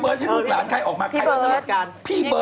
โป๊บเขาไม่ยอมเขาให้ดีกว่าพี่